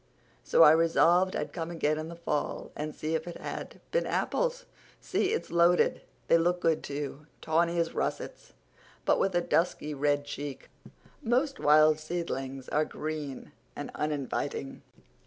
So I resolved I'd come again in the fall and see if it had been apples. See, it's loaded. They look good, too—tawny as russets but with a dusky red cheek. Most wild seedlings are green and uninviting."